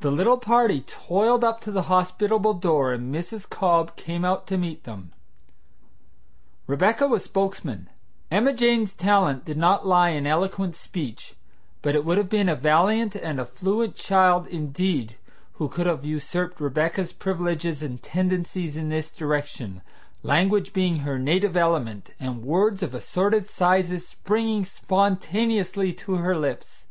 The little party toiled up to the hospitable door, and Mrs. Cobb came out to meet them. Rebecca was spokesman. Emma Jane's talent did not lie in eloquent speech, but it would have been a valiant and a fluent child indeed who could have usurped Rebecca's privileges and tendencies in this direction, language being her native element, and words of assorted sizes springing spontaneously to her lips.